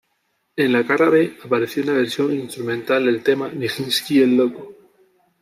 En la cara B apareció una versión instrumental del tema "Nijinsky el loco".